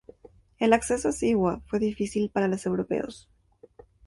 El acceso a Siwa fue difícil para los europeos.